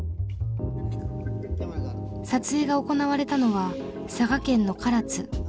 撮影が行われたのは佐賀県の唐津。